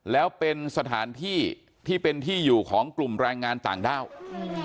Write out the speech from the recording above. แล้วเป็นสถานที่ที่เป็นที่อยู่ของกลุ่มแรงงานต่างด้าวอืม